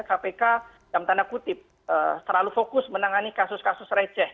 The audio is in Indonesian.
kpk dalam tanda kutip terlalu fokus menangani kasus kasus receh